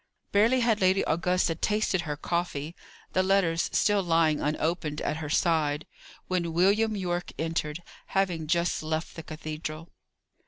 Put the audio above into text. Barely had Lady Augusta tasted her coffee, the letters still lying unopened at her side, when William Yorke entered, having just left the cathedral.